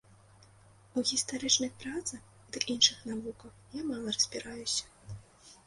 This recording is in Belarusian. У гістарычных працах ды іншых навуках я мала разбіраюся.